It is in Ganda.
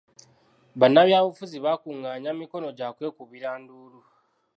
Bannabyabufuzi bakungaanya mikono gya kwekubira nduulu.